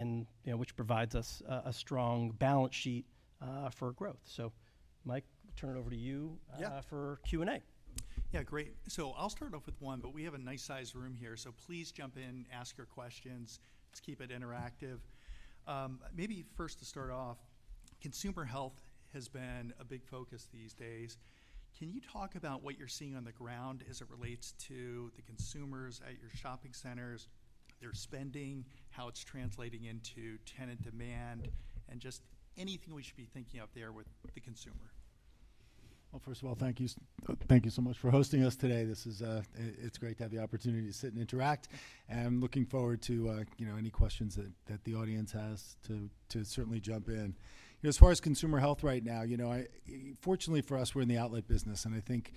You know, which provides us a strong balance sheet for growth. So, Mike, turn it over to you- Yeah - for Q&A. Yeah, great. So I'll start off with one, but we have a nice-sized room here, so please jump in, ask your questions. Let's keep it interactive. Maybe first to start off, consumer health has been a big focus these days. Can you talk about what you're seeing on the ground as it relates to the consumers at your shopping centers, their spending, how it's translating into tenant demand, and just anything we should be thinking out there with the consumer? Well, first of all, thank you so much for hosting us today. This is, it's great to have the opportunity to sit and interact, and I'm looking forward to, you know, any questions that the audience has to certainly jump in. As far as consumer health right now, you know, fortunately for us, we're in the outlet business, and I think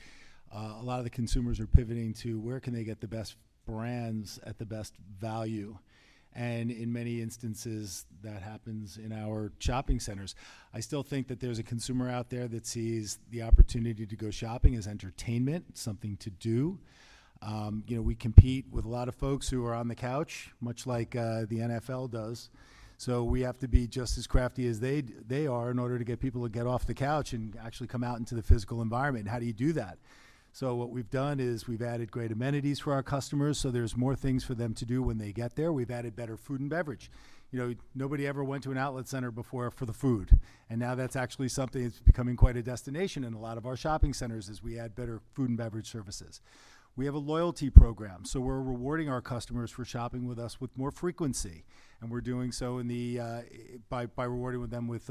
a lot of the consumers are pivoting to where can they get the best brands at the best value, and in many instances, that happens in our shopping centers. I still think that there's a consumer out there that sees the opportunity to go shopping as entertainment, something to do. You know, we compete with a lot of folks who are on the couch, much like the NFL does. So we have to be just as crafty as they are in order to get people to get off the couch and actually come out into the physical environment. How do you do that? So what we've done is we've added great amenities for our customers, so there's more things for them to do when they get there. We've added better food and beverage. You know, nobody ever went to an outlet center before for the food, and now that's actually something that's becoming quite a destination in a lot of our shopping centers as we add better food and beverage services. We have a loyalty program, so we're rewarding our customers for shopping with us with more frequency, and we're doing so by rewarding them with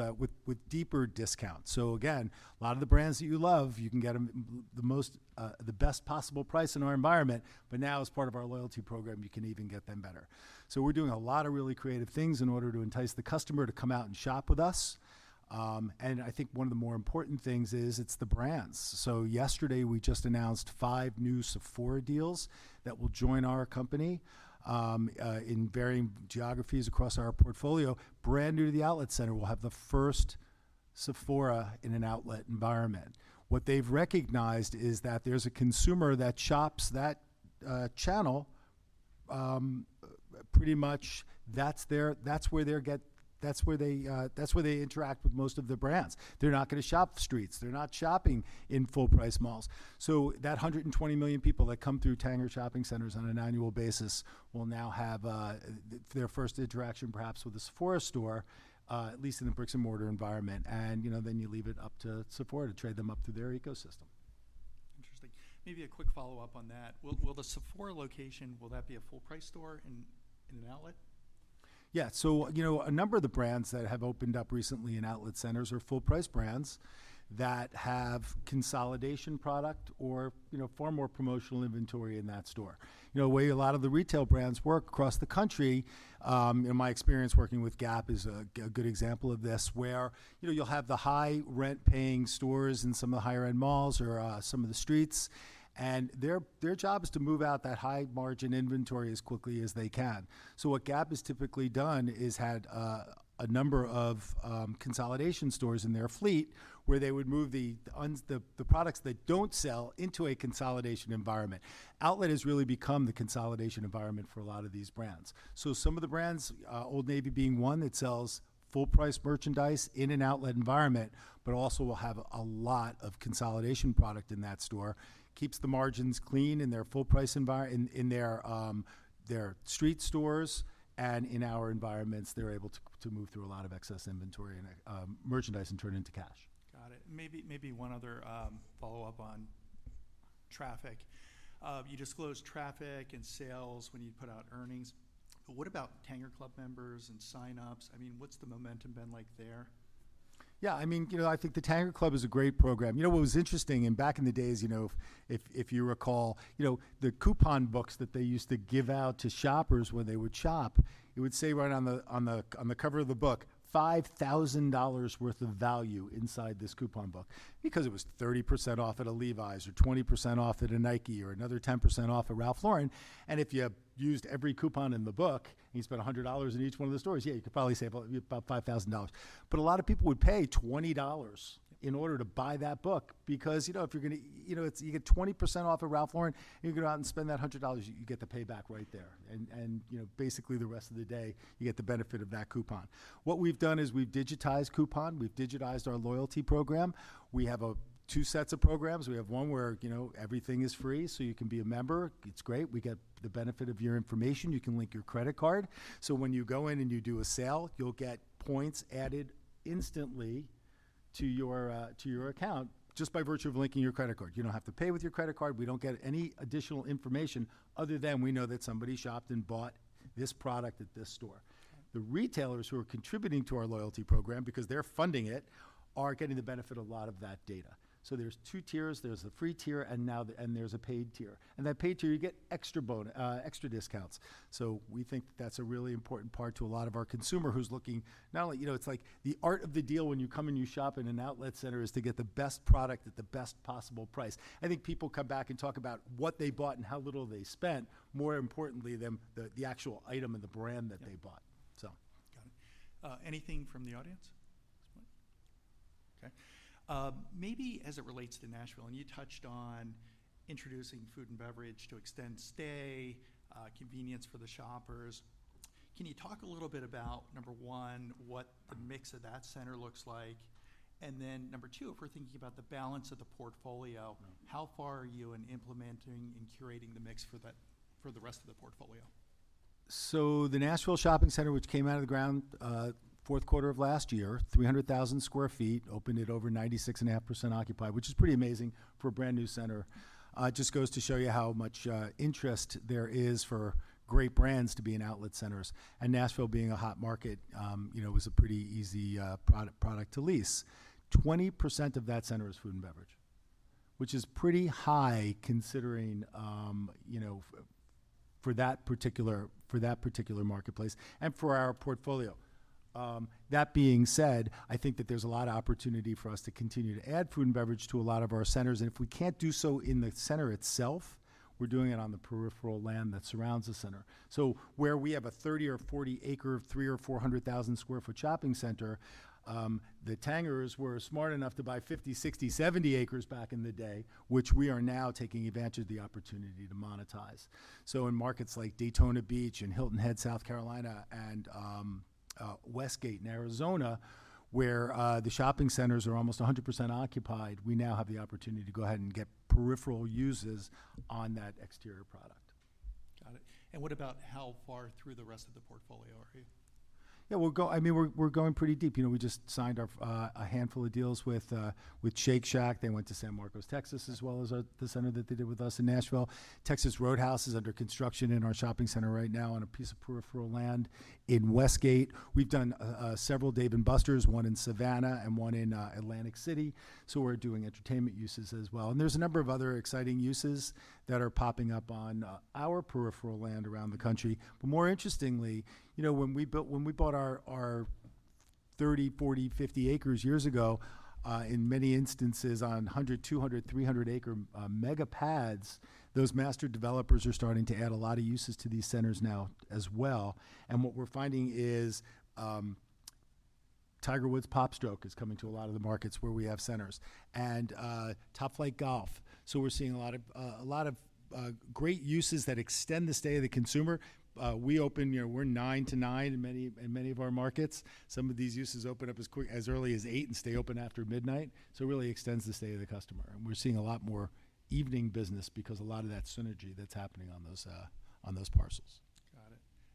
deeper discounts. So again, a lot of the brands that you love, you can get them the most, the best possible price in our environment, but now as part of our loyalty program, you can even get them better. So we're doing a lot of really creative things in order to entice the customer to come out and shop with us. And I think one of the more important things is, it's the brands. So yesterday, we just announced 5 new Sephora deals that will join our company, in varying geographies across our portfolio. Brand new to the outlet center, we'll have the first Sephora in an outlet environment. What they've recognized is that there's a consumer that shops that channel, pretty much that's where they interact with most of the brands. They're not going to shop streets. They're not shopping in full-price malls. So that 120 million people that come through Tanger shopping centers on an annual basis will now have their first interaction, perhaps with a Sephora store, at least in the bricks-and-mortar environment, and, you know, then you leave it up to Sephora to trade them up through their ecosystem. Interesting. Maybe a quick follow-up on that. Will the Sephora location be a full-price store in an outlet? Yeah. So, you know, a number of the brands that have opened up recently in outlet centers are full-price brands that have consolidation product or, you know, far more promotional inventory in that store. You know, the way a lot of the retail brands work across the country, in my experience, working with Gap is a good example of this, where, you know, you'll have the high rent-paying stores in some of the higher-end malls or, some of the streets, and their, their job is to move out that high-margin inventory as quickly as they can. So what Gap has typically done is had, a number of, consolidation stores in their fleet, where they would move the, the products that don't sell into a consolidation environment. Outlet has really become the consolidation environment for a lot of these brands. So some of the brands, Old Navy being one, that sells full-price merchandise in an outlet environment but also will have a lot of consolidation product in that store, keeps the margins clean in their full-price environment in their street stores and in our environments, they're able to move through a lot of excess inventory and merchandise and turn it into cash. Got it. Maybe, maybe one other, follow-up on traffic. You disclosed traffic and sales when you put out earnings, but what about Tanger Club members and sign-ups? I mean, what's the momentum been like there? Yeah, I mean, you know, I think the Tanger Club is a great program. You know what was interesting and back in the days, you know, if you recall, you know, the coupon books that they used to give out to shoppers when they would shop, it would say right on the cover of the book, "$5,000 worth of value inside this coupon book" because it was 30% off at a Levi's or 20% off at a Nike or another 10% off at Ralph Lauren, and if you used every coupon in the book, and you spent $100 in each one of the stores, yeah, you could probably save about $5,000. But a lot of people would pay $20 in order to buy that book because, you know, if you're gonna... You know, it's you get 20% off at Ralph Lauren, and you go out and spend that $100, you get the payback right there and, you know, basically, the rest of the day, you get the benefit of that coupon. What we've done is we've digitized coupon. We've digitized our loyalty program. We have two sets of programs. We have one where, you know, everything is free, so you can be a member. It's great. We get the benefit of your information. You can link your credit card. So when you go in and you do a sale, you'll get points added instantly to your account just by virtue of linking your credit card. You don't have to pay with your credit card. We don't get any additional information other than we know that somebody shopped and bought this product at this store. The retailers who are contributing to our loyalty program, because they're funding it, are getting the benefit of a lot of that data. So there's two tiers. There's the free tier, and now and there's a paid tier, and that paid tier, you get extra bonus, extra discounts. So we think that's a really important part to a lot of our consumer who's looking not only... You know, it's like the art of the deal when you come and you shop in an outlet center is to get the best product at the best possible price. I think people come back and talk about what they bought and how little they spent, more importantly than the actual item and the brand that they bought. Yeah. So... Got it. Anything from the audience?... Okay. Maybe as it relates to Nashville, and you touched on introducing food and beverage to extend stay, convenience for the shoppers. Can you talk a little bit about, number 1, what the mix of that center looks like? And then, number 2, if we're thinking about the balance of the portfolio- Mm-hmm. How far are you in implementing and curating the mix for the rest of the portfolio? The Nashville Shopping Center, which came out of the ground, fourth quarter of last year, 300,000 sq ft, opened at over 96.5% occupied, which is pretty amazing for a brand-new center. It just goes to show you how much interest there is for great brands to be in outlet centers. And Nashville, being a hot market, it was a pretty easy product to lease. 20% of that center is food and beverage, which is pretty high considering for that particular, for that particular marketplace and for our portfolio. That being said, I think that there's a lot of opportunity for us to continue to add food and beverage to a lot of our centers, and if we can't do so in the center itself, we're doing it on the peripheral land that surrounds the center. So where we have a 30- or 40-acre, 300,000- or 400,000-sq-ft shopping center, the Tangers were smart enough to buy 50, 60, 70 acres back in the day, which we are now taking advantage of the opportunity to monetize. So in markets like Daytona Beach and Hilton Head, South Carolina, Westgate in Arizona, where the shopping centers are almost 100% occupied, we now have the opportunity to go ahead and get peripheral uses on that exterior product. Got it. What about how far through the rest of the portfolio are you? Yeah, I mean, we're going pretty deep. You know, we just signed off a handful of deals with Shake Shack. They went to San Marcos, Texas, as well as the center that they did with us in Nashville. Texas Roadhouse is under construction in our shopping center right now on a piece of peripheral land. In Westgate, we've done several Dave & Buster's, one in Savannah and one in Atlantic City, so we're doing entertainment uses as well. And there's a number of other exciting uses that are popping up on our peripheral land around the country. But more interestingly, you know, when we built—when we bought our 30, 40, 50 acres years ago in many instances on a 100-, 200-, 300-acre mega pads, those master developers are starting to add a lot of uses to these centers now as well. And what we're finding is, Tiger Woods PopStroke is coming to a lot of the markets where we have centers, and Topgolf. So we're seeing a lot of great uses that extend the stay of the consumer. We open, you know, we're 9:00 A.M. to 9:00 P.M. in many of our markets. Some of these uses open up as early as 8:00 A.M. and stay open after midnight. So it really extends the stay of the customer, and we're seeing a lot more evening business because a lot of that synergy that's happening on those, on those parcels. Got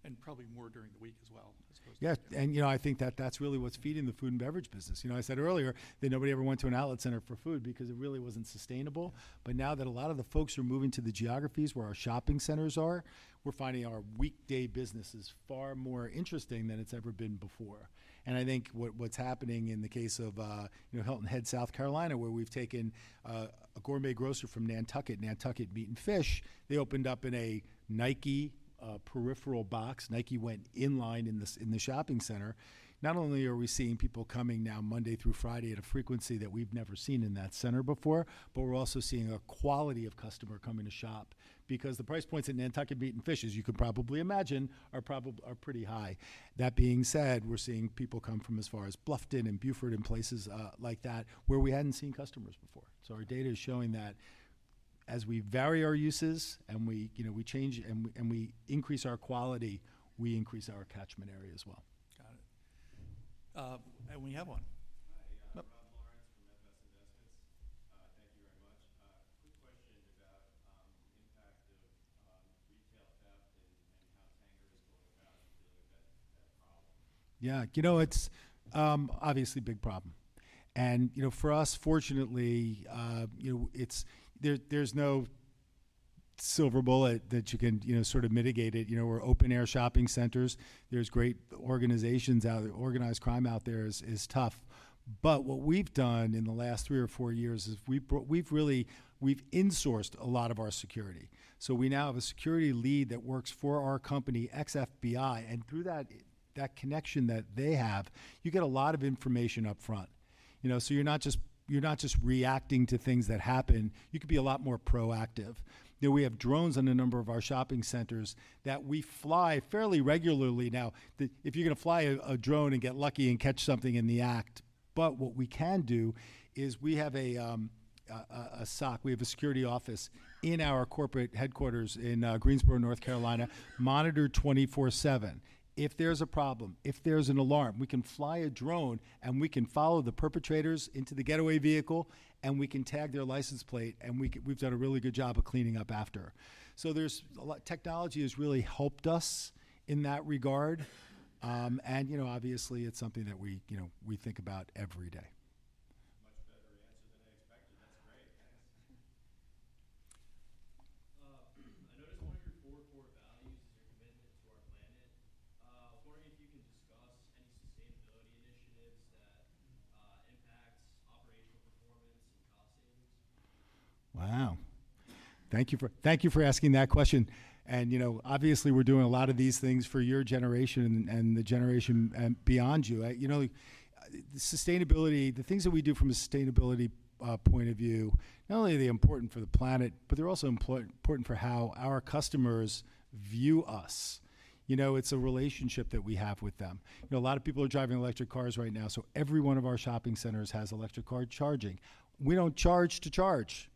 it. And probably more during the week as well, as opposed to- Yeah, and, you know, I think that that's really what's feeding the food and beverage business. You know, I said earlier that nobody ever went to an outlet center for food because it really wasn't sustainable. But now that a lot of the folks are moving to the geographies where our shopping centers are, we're finding our weekday business is far more interesting than it's ever been before. And I think what, what's happening in the case of, you know, Hilton Head, South Carolina, where we've taken a gourmet grocer from Nantucket, Nantucket Meat and Fish, they opened up in a Nike peripheral box. Nike went in-line in the shopping center. Not only are we seeing people coming now Monday through Friday at a frequency that we've never seen in that center before, but we're also seeing a quality of customer coming to shop because the price points at Nantucket Meat and Fish, as you can probably imagine, are pretty high. That being said, we're seeing people come from as far as Bluffton and Beaufort and places like that, where we hadn't seen customers before. So our data is showing that as we vary our uses and we, you know, we change and we, and we increase our quality, we increase our catchment area as well. Got it. And we have one. Hi, I'm Rob Lawrence from FS Investments. Thank you very much. Quick question about the impact of retail theft and how Tanger is going about dealing with that problem. Yeah, you know, it's obviously a big problem. And, you know, for us, fortunately, you know, there is no silver bullet that you can, you know, sort of mitigate it. You know, we're open-air shopping centers. There's great organizations out there, organized crime out there is tough. But what we've done in the last 3 or 4 years is we've really insourced a lot of our security. So we now have a security lead that works for our company, ex-FBI, and through that, that connection that they have, you get a lot of information up front. You know, so you're not just, you're not just reacting to things that happen. You could be a lot more proactive. You know, we have drones on a number of our shopping centers that we fly fairly regularly now. If you're gonna fly a drone and get lucky and catch something in the act... But what we can do is we have a SOC. We have a security office in our corporate headquarters in Greensboro, North Carolina, monitored 24/7. If there's a problem, if there's an alarm, we can fly a drone, and we can follow the perpetrators into the getaway vehicle, and we can tag their license plate, and we've done a really good job of cleaning up after. So there's a lot-- technology has really helped us in that regard. And, you know, obviously, it's something that we, you know, we think about every day. Much better answer than I expected. That's great, thanks. I noticed one of your core, core values is your commitment to our planet. I was wondering if you can discuss any sustainability initiatives that impacts operational performance and cost savings? Wow! Thank you for, thank you for asking that question. And, you know, obviously, we're doing a lot of these things for your generation and the generation beyond you. You know, the sustainability—the things that we do from a sustainability point of view, not only are they important for the planet, but they're also important for how our customers view us. You know, it's a relationship that we have with them. You know, a lot of people are driving electric cars right now, so every one of our shopping centers has electric car charging. We don't charge to charge....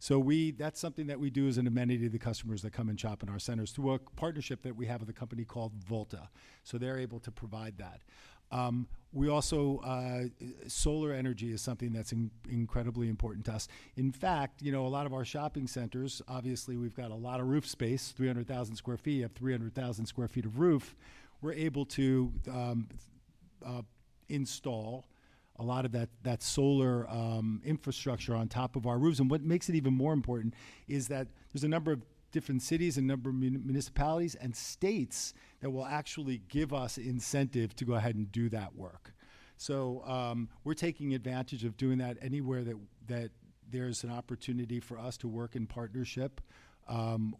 So that's something that we do as an amenity to the customers that come and shop in our centers through a partnership that we have with a company called Volta. So they're able to provide that. We also solar energy is something that's incredibly important to us. In fact, you know, a lot of our shopping centers, obviously, we've got a lot of roof space, 300,000 sq ft, have 300,000 sq ft of roof. We're able to install a lot of that solar infrastructure on top of our roofs. And what makes it even more important is that there's a number of different cities and number of municipalities and states that will actually give us incentive to go ahead and do that work. So, we're taking advantage of doing that anywhere that there's an opportunity for us to work in partnership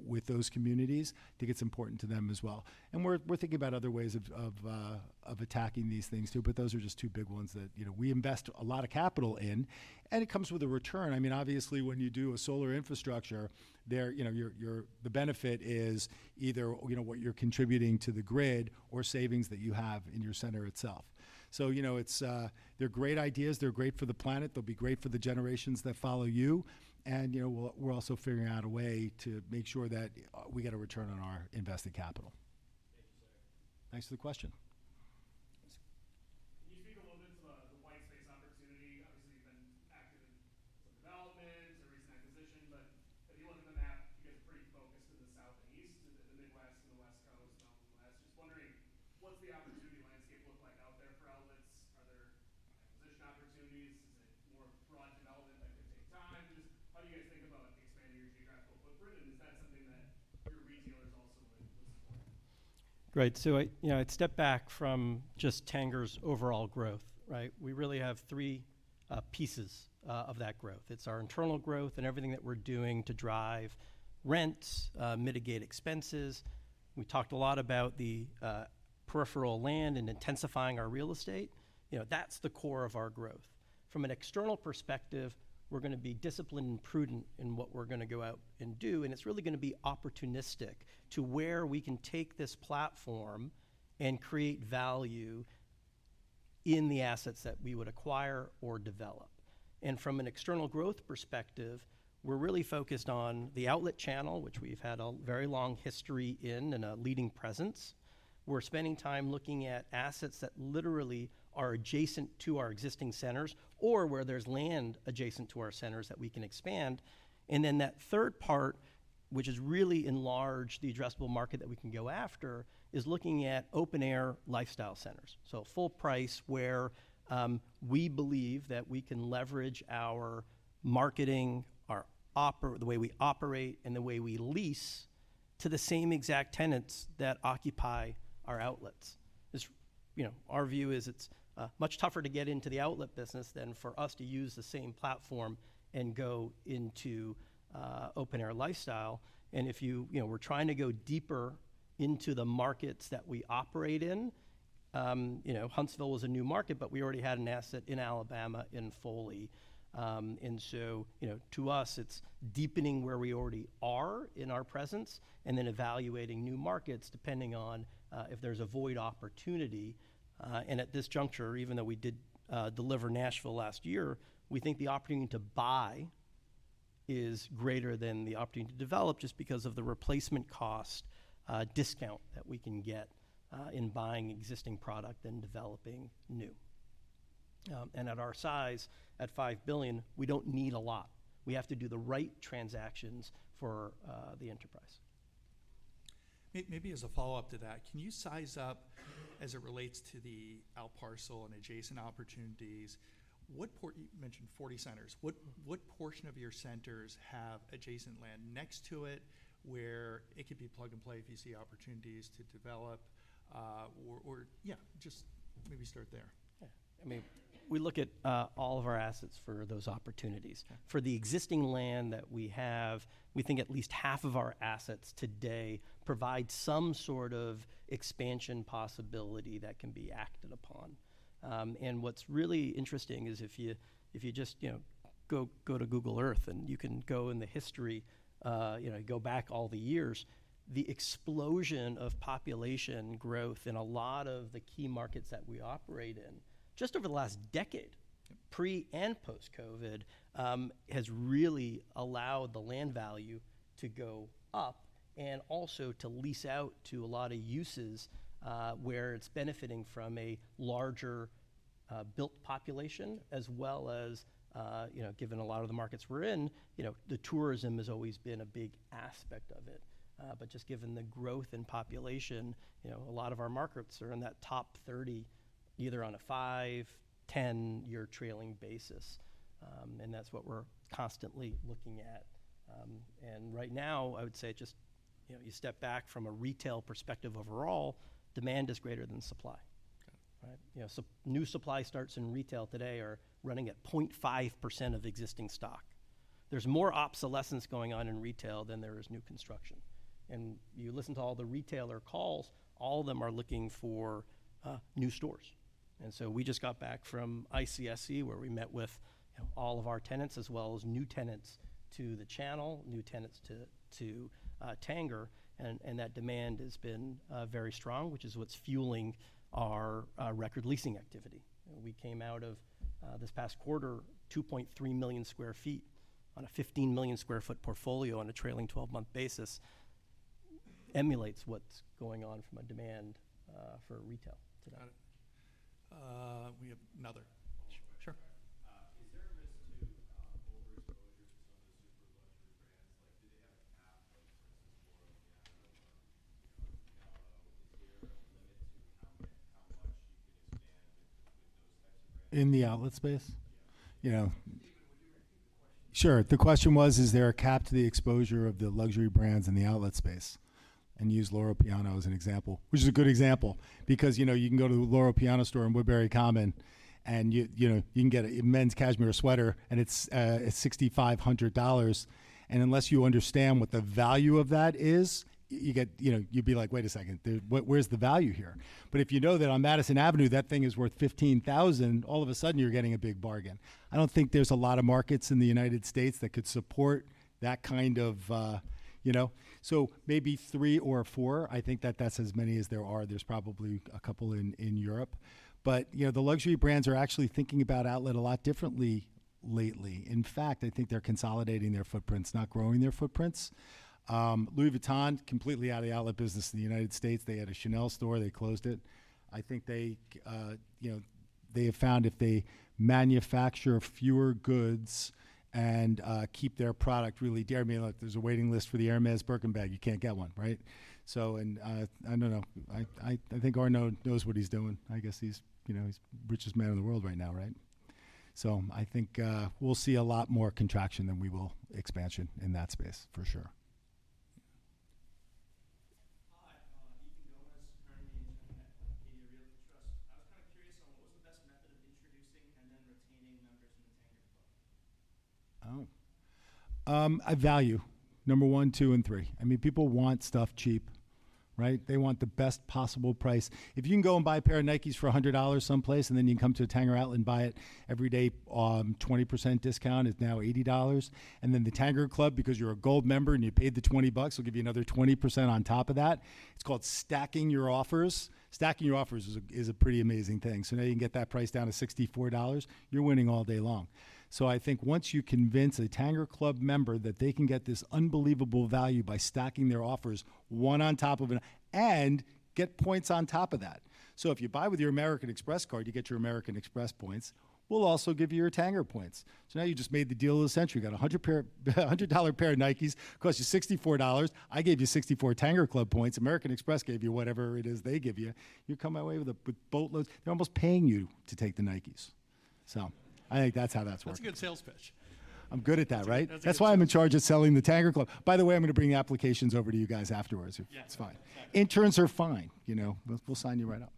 with those communities. I think it's important to them as well, and we're thinking about other ways of attacking these things, too. But those are just two big ones that, you know, we invest a lot of capital in, and it comes with a return. I mean, obviously, when you do a solar infrastructure, there, you know, you're—the benefit is either, you know, what you're contributing to the grid or savings that you have in your center itself. So, you know, it's, they're great ideas. They're great for the planet. They'll be great for the generations that follow you, and, you know, we're also figuring out a way to make sure that, we get a return on our invested capital. Thank you, sir. Thanks for the question. we're gonna be disciplined and prudent in what we're gonna go out and do, and it's really gonna be opportunistic to where we can take this platform and create value in the assets that we would acquire or develop. And from an external growth perspective, we're really focused on the outlet channel, which we've had a very long history in and a leading presence. We're spending time looking at assets that literally are adjacent to our existing centers or where there's land adjacent to our centers that we can expand. Then that third part, which has really enlarged the addressable market that we can go after, is looking at open-air lifestyle centers. So full price, where we believe that we can leverage our marketing, the way we operate and the way we lease to the same exact tenants that occupy our outlets. As you know, our view is it's much tougher to get into the outlet business than for us to use the same platform and go into open-air lifestyle. You know, we're trying to go deeper into the markets that we operate in. You know, Huntsville was a new market, but we already had an asset in Alabama, in Foley. And so, you know, to us, it's deepening where we already are in our presence and then evaluating new markets depending on if there's a white space opportunity. At this juncture, even though we did deliver Nashville last year, we think the opportunity to buy is greater than the opportunity to develop just because of the replacement cost discount that we can get in buying existing product than developing new. At our size, at $5 billion, we don't need a lot. We have to do the right transactions for the enterprise. Maybe as a follow-up to that, can you size up, as it relates to the outparcel and adjacent opportunities, what portion... You mentioned 40 centers. What portion of your centers have adjacent land next to it, where it could be plug-and-play if you see opportunities to develop, or... Yeah, just maybe start there. Yeah. I mean, we look at all of our assets for those opportunities. Yeah. For the existing land that we have, we think at least half of our assets today provide some sort of expansion possibility that can be acted upon. And what's really interesting is if you just, you know, go to Google Earth, and you can go in the history, you know, go back all the years, the explosion of population growth in a lot of the key markets that we operate in, just over the last decade, pre- and post-COVID, has really allowed the land value to go up and also to lease out to a lot of uses, where it's benefiting from a larger, built population as well as, you know, given a lot of the markets we're in, you know, the tourism has always been a big aspect of it. But just given the growth in population, you know, a lot of our markets are in that top 30, either on a 5- or 10-year trailing basis, and that's what we're constantly looking at. And right now, I would say just, you know, you step back from a retail perspective overall, demand is greater than supply. Okay. Right? You know, so new supply starts in retail today are running at 0.5% of existing stock. There's more obsolescence going on in retail than there is new construction, and you listen to all the retailer calls, all of them are looking for new stores. And so we just got back from ICSC, where we met with, you know, all of our tenants as well as new tenants to the channel, new tenants to Tanger, and that demand has been very strong, which is what's fueling our record leasing activity. We came out of this past quarter, 2.3 million sq ft on a 15 million sq ft portfolio on a trailing 12-month basis.... emulates what's going on from a demand, for retail today. Got it. We have another. Sure. Sure. Is there a risk to overexposure to some of the super luxury brands? Like, do they have a cap, like for instance, Loro Piana or, you know, is there a limit to how much you can expand with those types of brands? In the outlet space? Yeah. You know- Even, would you repeat the question? Sure. The question was, is there a cap to the exposure of the luxury brands in the outlet space? And used Loro Piana as an example, which is a good example, because, you know, you can go to the Loro Piana store in Woodbury Common, and you, you know, you can get a men's cashmere sweater, and it's $6,500. And unless you understand what the value of that is, you get... You know, you'd be like: "Wait a second, dude, where, where's the value here?" But if you know that on Madison Avenue, that thing is worth $15,000, all of a sudden, you're getting a big bargain. I don't think there's a lot of markets in the United States that could support that kind of, you know. So maybe three or four, I think that's as many as there are. There's probably a couple in Europe, but, you know, the luxury brands are actually thinking about outlet a lot differently lately. In fact, I think they're consolidating their footprints, not growing their footprints. Louis Vuitton, completely out of the outlet business in the United States. They had a Chanel store, they closed it. I think you know, they have found if they manufacture fewer goods and, keep their product really... Dear me! Look, there's a waiting list for the Hermès Birkin bag. You can't get one, right? So and, I don't know. I think Arnault knows what he's doing. I guess he's, you know, he's the richest man in the world right now, right? So I think, we'll see a lot more contraction than we will expansion in that space, for sure. Hi, Ethan Gomez, Kearney Internet with APA Realty Trust. I was kind of curious on what was the best method of introducing and then retaining members in the Tanger Club? Oh. Value, number 1, 2, and 3. I mean, people want stuff cheap, right? They want the best possible price. If you can go and buy a pair of Nikes for $100 someplace, and then you come to a Tanger Outlet and buy it every day, 20% discount, it's now $80. And then the Tanger Club, because you're a gold member and you paid the $20, will give you another 20% on top of that. It's called stacking your offers. Stacking your offers is a pretty amazing thing. So now you can get that price down to $64, you're winning all day long. So I think once you convince a Tanger Club member that they can get this unbelievable value by stacking their offers, one on top of another and get points on top of that. So if you buy with your American Express card, you get your American Express points. We'll also give you your Tanger points. So now you just made the deal of the century. You got a $100 pair of Nikes, cost you $64. I gave you 64 Tanger Club points. American Express gave you whatever it is they give you. You're coming away with boatloads. They're almost paying you to take the Nikes. So I think that's how that's worked. That's a good sales pitch. I'm good at that, right? That's a good- That's why I'm in charge of selling the Tanger Club. By the way, I'm going to bring the applications over to you guys afterwards. Yeah. It's fine. Interns are fine, you know. We'll sign you right up.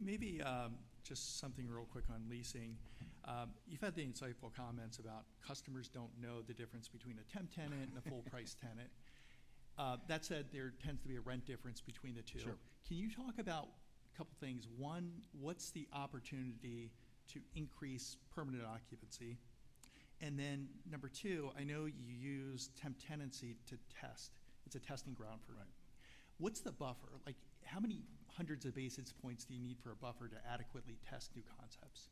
Maybe just something real quick on leasing. You've had the insightful comments about customers don't know the difference between a temp tenant and a full-price tenant. That said, there tends to be a rent difference between the two. Sure. Can you talk about a couple things? One, what's the opportunity to increase permanent occupancy? And then, number two, I know you use temp tenancy to test. It's a testing ground for rent. What's the buffer like? How many hundreds of basis points do you need for a buffer to adequately test new concepts?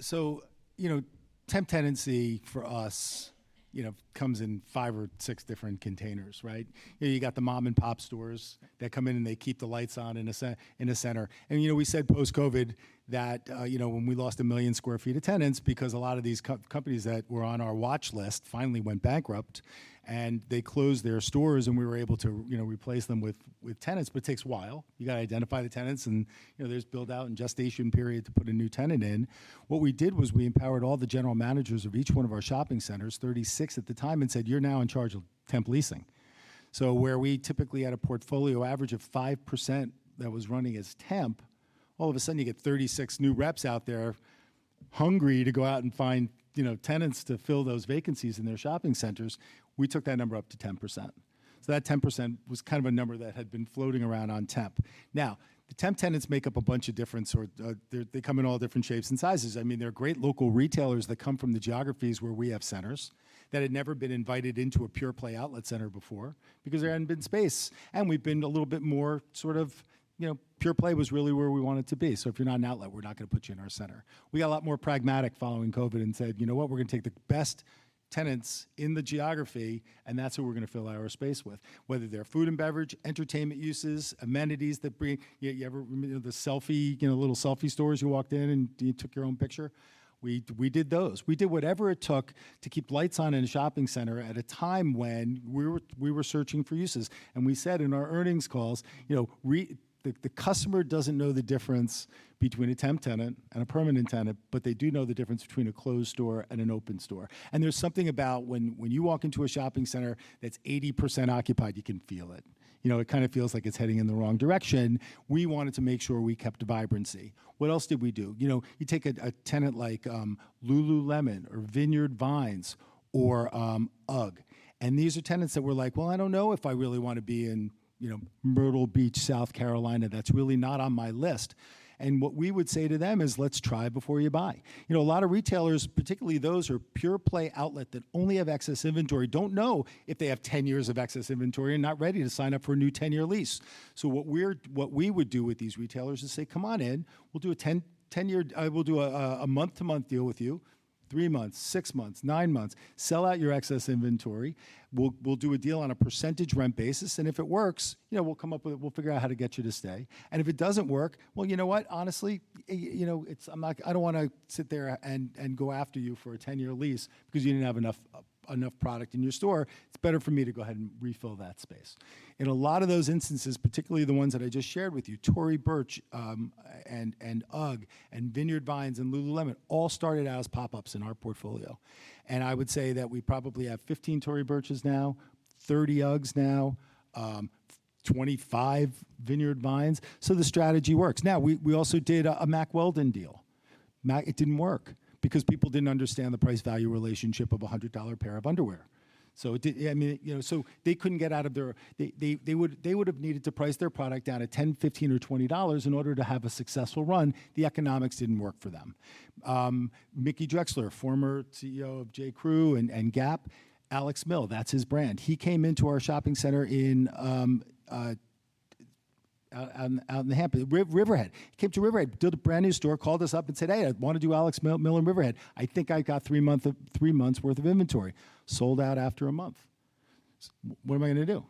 So, you know, temp tenancy for us, you know, comes in five or six different containers, right? You got the mom-and-pop stores that come in, and they keep the lights on in a center. You know, we said post-COVID that, you know, when we lost 1 million sq ft of tenants because a lot of these companies that were on our watch list finally went bankrupt, and they closed their stores, and we were able to, you know, replace them with tenants, but it takes a while. You got to identify the tenants, and, you know, there's build-out and gestation period to put a new tenant in. What we did was we empowered all the general managers of each one of our shopping centers, 36 at the time, and said, "You're now in charge of temp leasing." So where we typically had a portfolio average of 5% that was running as temp, all of a sudden, you get 36 new reps out there, hungry to go out and find, you know, tenants to fill those vacancies in their shopping centers. We took that number up to 10%. So that 10% was kind of a number that had been floating around on temp. Now, the temp tenants make up a bunch of different sort. They're, they come in all different shapes and sizes. I mean, there are great local retailers that come from the geographies where we have centers that had never been invited into a pure-play outlet center before because there hadn't been space, and we've been a little bit more sort of, you know, pure-play was really where we wanted to be. So if you're not an outlet, we're not going to put you in our center. We got a lot more pragmatic following COVID and said: You know what? We're going to take the best tenants in the geography, and that's who we're going to fill our space with, whether they're food and beverage, entertainment uses, amenities that bring... You ever, you know, the selfie, you know, little selfie stores, you walked in and you took your own picture? We did those. We did whatever it took to keep lights on in a shopping center at a time when we were searching for uses. And we said in our earnings calls, you know, the customer doesn't know the difference between a temp tenant and a permanent tenant, but they do know the difference between a closed store and an open store. And there's something about when you walk into a shopping center that's 80% occupied, you can feel it. You know, it kind of feels like it's heading in the wrong direction. We wanted to make sure we kept the vibrancy. What else did we do? You know, you take a tenant like Lululemon or Vineyard Vines or UGG, and these are tenants that were like: "Well, I don't know if I really want to be in, you know, Myrtle Beach, South Carolina. That's really not on my list."... and what we would say to them is, "Let's try before you buy." You know, a lot of retailers, particularly those who are pure-play outlet that only have excess inventory, don't know if they have 10 years of excess inventory and not ready to sign up for a new 10-year lease. So what we would do with these retailers is say, "Come on in, we'll do a 10-year, we'll do a month-to-month deal with you. 3 months, 6 months, 9 months. Sell out your excess inventory. We'll do a deal on a percentage rent basis, and if it works, you know, we'll figure out how to get you to stay. And if it doesn't work, well, you know what? Honestly, you know, it's, I'm not I don't wanna sit there and go after you for a 10-year lease because you didn't have enough enough product in your store. It's better for me to go ahead and refill that space." In a lot of those instances, particularly the ones that I just shared with you, Tory Burch, and UGG, and Vineyard Vines, and Lululemon all started out as pop-ups in our portfolio. I would say that we probably have 15 Tory Burches now, 30 UGGs now, 25 Vineyard Vines, so the strategy works. Now, we also did a Mack Weldon deal. Mack, it didn't work because people didn't understand the price-value relationship of a $100 pair of underwear. So it I mean, you know, so they couldn't get out of their... They would have needed to price their product down to $10, $15, or $20 in order to have a successful run. The economics didn't work for them. Mickey Drexler, former CEO of J.Crew and Gap, Alex Mill, that's his brand. He came into our shopping center out in Hampton, Riverhead. He came to Riverhead, built a brand-new store, called us up and said, "Hey, I wanna do Alex Mill in Riverhead. I think I got three months' worth of inventory." Sold out after a month. "So what am I gonna do?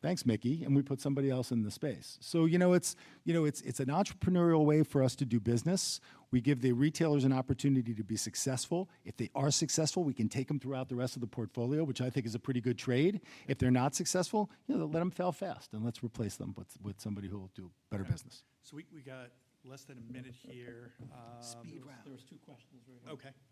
Thanks, Mickey," and we put somebody else in the space. So, you know, it's, you know, it's an entrepreneurial way for us to do business. We give the retailers an opportunity to be successful. If they are successful, we can take them throughout the rest of the portfolio, which I think is a pretty good trade. If they're not successful, you know, let them fail fast, and let's replace them with somebody who will do better business. So we got less than a minute here. Speed round. There's two questions right here. Okay.... Capital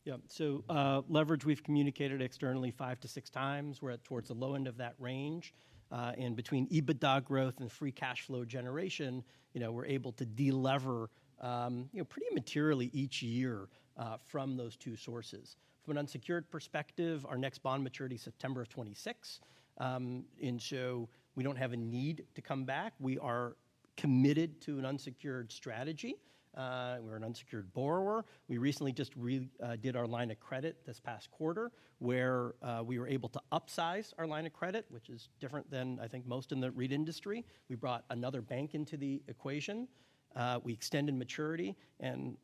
Advisors. New to covering your company, I was wondering if you are comfortable with where you are in terms of the top line growth last quarter, down and loss whether it is or whether... Second point being, do you expect to return to unsecured debt market anytime soon? Looks like only three tranches have been asked, and- Yep. Just curious in terms of refinancing these or, and other comments on that? Yeah, so, leverage, we've communicated externally 5-6 times. We're at towards the low end of that range, and between EBITDA growth and free cash flow generation, you know, we're able to de-lever, you know, pretty materially each year, from those two sources. From an unsecured perspective, our next bond maturity is September of 2026. And so we don't have a need to come back. We are committed to an unsecured strategy. We're an unsecured borrower. We recently just redid our line of credit this past quarter, where, we were able to upsize our line of credit, which is different than I think most in the REIT industry. We brought another bank into the equation. We extended maturity and,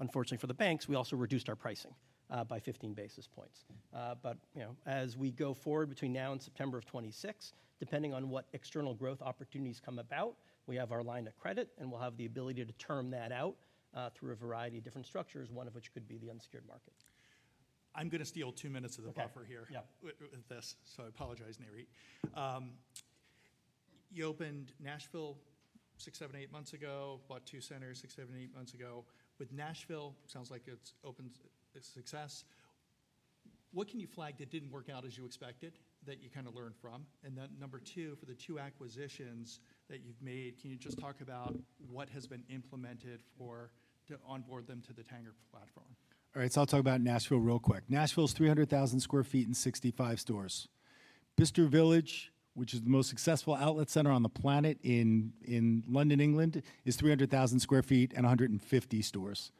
unfortunately for the banks, we also reduced our pricing, by 15 basis points. But, you know, as we go forward between now and September of 2026, depending on what external growth opportunities come about, we have our line of credit, and we'll have the ability to term that out through a variety of different structures, one of which could be the unsecured market. I'm gonna steal 2 minutes of the buffer here- Okay, yeah. With this, so I apologize in advance. You opened Nashville 6, 7, 8 months ago, bought two centers 6, 7, 8 months ago. With Nashville, sounds like it's opened a success. What can you flag that didn't work out as you expected, that you kind of learned from? And then number two, for the two acquisitions that you've made, can you just talk about what has been implemented to onboard them to the Tanger platform? All right, so I'll talk about Nashville real quick. Nashville's 300,000 sq ft and 65 stores. Bicester Village, which is the most successful outlet center on the planet in, in London, England, is 300,000 sq ft and 150 stores.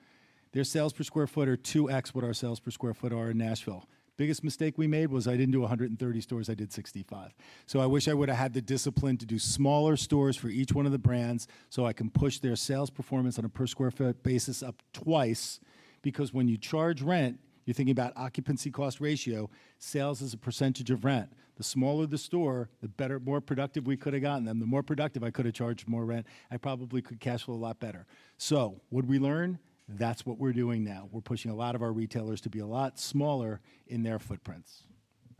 Their sales per sq ft are 2x what our sales per sq ft are in Nashville. Biggest mistake we made was I didn't do 130 stores, I did 65. So I wish I would've had the discipline to do smaller stores for each one of the brands, so I can push their sales performance on a per sq ft basis up twice, because when you charge rent, you're thinking about occupancy cost ratio, sales as a percentage of rent. The smaller the store, the better, more productive we could've gotten them. The more productive, I could've charged more rent. I probably could cash flow a lot better. So what'd we learn? That's what we're doing now. We're pushing a lot of our retailers to be a lot smaller in their footprints.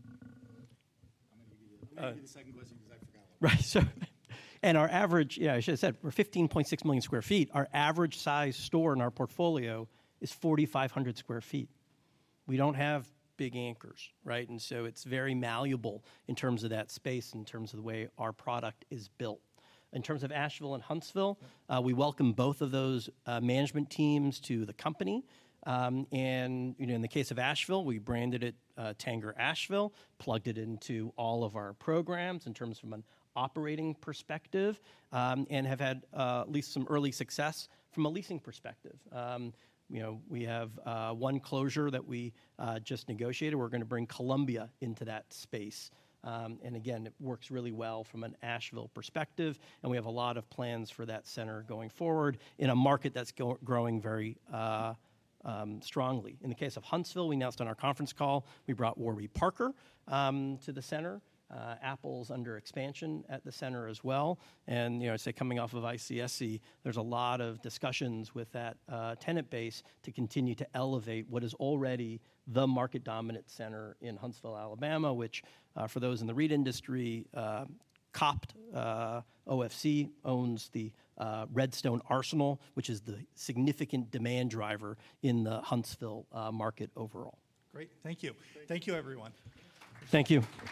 I'm gonna give you the- Uh-... I'm gonna give you the second question because I forgot about it. Right, so and our average, yeah, I should've said, we're 15.6 million sq ft. Our average size store in our portfolio is 4,500 sq ft. We don't have big anchors, right? And so it's very malleable in terms of that space, in terms of the way our product is built. In terms of Asheville and Huntsville, we welcome both of those management teams to the company. And, you know, in the case of Asheville, we branded it, Tanger Asheville, plugged it into all of our programs in terms from an operating perspective, and have had at least some early success from a leasing perspective. You know, we have one closure that we just negotiated. We're gonna bring Columbia into that space. And again, it works really well from an Asheville perspective, and we have a lot of plans for that center going forward in a market that's growing very strongly. In the case of Huntsville, we announced on our conference call, we brought Warby Parker to the center. Apple's under expansion at the center as well. And, you know, I'd say coming off of ICSC, there's a lot of discussions with that tenant base to continue to elevate what is already the market-dominant center in Huntsville, Alabama, which, for those in the REIT industry, COPT, OFC owns the Redstone Arsenal, which is the significant demand driver in the Huntsville market overall. Great. Thank you. Thank you. Thank you, everyone. Thank you.